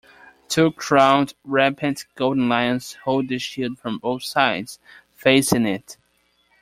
Two crowned rampant golden lions hold the shield from both sides, facing it.